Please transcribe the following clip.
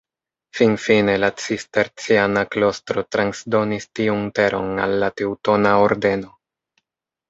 Finfine la cisterciana klostro transdonis tiun Teron al la Teŭtona Ordeno.